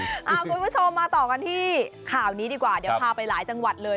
คุณผู้ชมมาต่อกันที่ข่าวนี้ดีกว่าเดี๋ยวพาไปหลายจังหวัดเลย